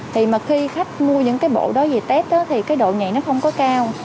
thì mà khi khách mua những cái bộ đó về test thì cái độ nhạy nó không có cao